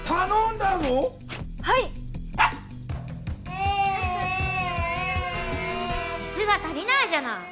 いすが足りないじゃない！